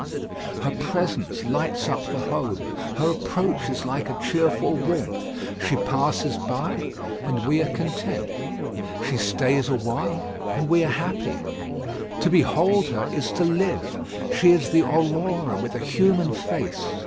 Her presence lights up the home; her approach is like a cheerful warmth; she passes by; and we are content; she stays awhile, and we are happy. To behold her is to live: she is the Aurora with a human face.